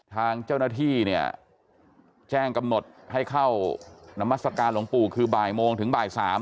ทางเจ้าหน้าที่เนี่ยแจ้งกำหนดให้เข้านามัศกาลหลวงปู่คือบ่ายโมงถึงบ่าย๓